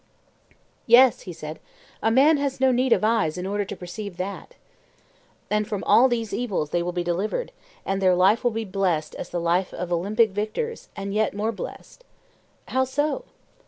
Yes, he said, a man has no need of eyes in order to perceive that. And from all these evils they will be delivered, and their life will be blessed as the life of Olympic victors and yet more blessed. How so?